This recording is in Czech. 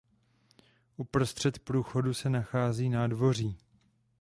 Uprostřed průchodu se nachází nádvoří.